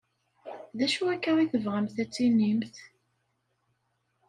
D acu akka i tebɣamt ad tinimt?